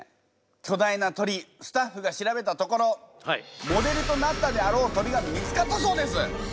巨大な鳥スタッフが調べたところモデルとなったであろう鳥が見つかったそうです！